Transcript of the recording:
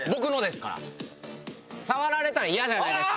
触られたらイヤじゃないですか。